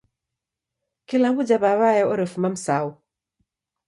Kila w'uja w'aw'ae orefuma Msau!